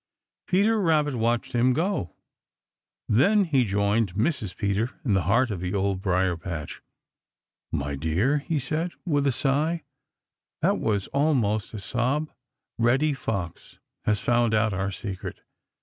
Peter Rabbit watched him go. Then he joined Mrs. Peter in the heart of the Old Briar patch. "My dear," he said, with a sigh that was almost a sob, "Reddy Fox has found out our secret."